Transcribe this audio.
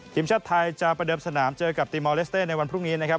ทีมชาติไทยจะประเดิมสนามเจอกับตีมอลเลสเต้ในวันพรุ่งนี้นะครับ